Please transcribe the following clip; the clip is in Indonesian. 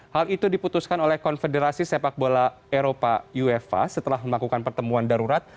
hal itu diputuskan oleh konfederasi sepak bola eropa uefa setelah melakukan pertemuan darurat